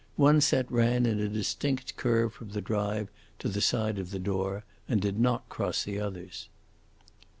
One set ran in a distinct curve from the drive to the side of the door, and did not cross the others.